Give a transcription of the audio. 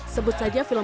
sebut saja film film